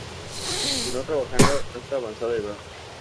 Continuó trabajando hasta avanzada edad.